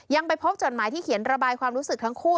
ยังไปพบจดหมายที่เขียนระบายความรู้สึกทั้งคู่